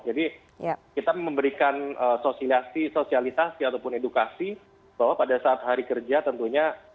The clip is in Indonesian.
kita memberikan sosialisasi ataupun edukasi bahwa pada saat hari kerja tentunya